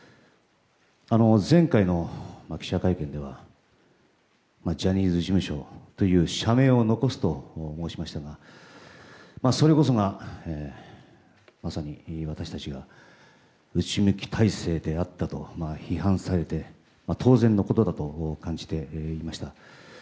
前回の記者会見ではジャニーズ事務所という社名を残すと申しましたがそれこそが、まさに私たちが内向き体制であったと批判されて当然のことだと感じていました。